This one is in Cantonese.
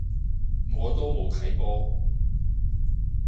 我都冇睇波